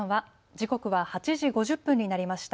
時刻は８時５０分になりました。